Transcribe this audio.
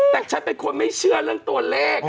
แต่ฉันเป็นคนไม่เชื่อเรื่องตัวเลข